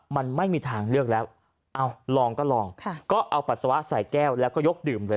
มันไม่มีทางเลือกแล้วเอาลองก็ลองก็เอาปัสสาวะใส่แก้วแล้วก็ยกดื่มเลย